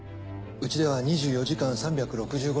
うちでは２４時間３６５日